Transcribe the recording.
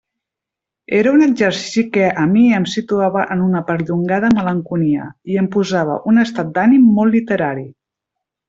Era un exercici que a mi em situava en una perllongada malenconia, i em proposava un estat d'ànim molt literari.